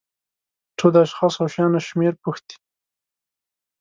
څو د اشخاصو او شیانو شمېر پوښتي.